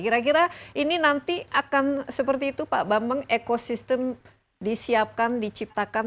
kira kira ini nanti akan seperti itu pak bambang ekosistem disiapkan diciptakan